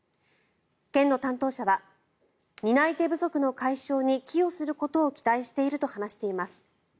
県の担当者は担い手不足の解消に寄与することを期待していると話しています。